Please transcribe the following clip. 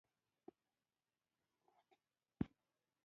د یو سېلاب زیاتوالی د مطلع څخه وروسته راځي.